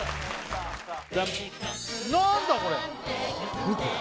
何これ？